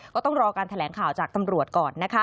ก็ต้องรอการแถลงข่าวจากตำรวจก่อนนะคะ